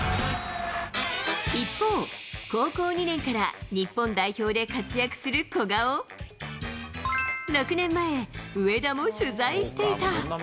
一方、高校２年から日本代表で活躍する古賀を、６年前、上田も取材していた。